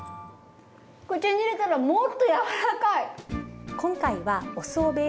口に入れたらもっと柔らかい！